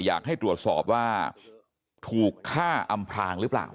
อยากให้ตรวจสอบว่าถูกฆ่าอำพลางหรือเปล่า